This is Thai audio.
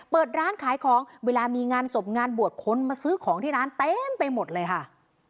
เปิดร้านขายของเวลามีงานศพงานบวชคนมาซื้อของที่ร้านเต็มไปหมดเลยค่ะ